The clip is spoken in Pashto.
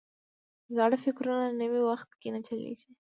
زاړه فکرونه نوي وخت کې نه چلیږي.